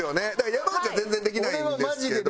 山内は全然できないんですけど。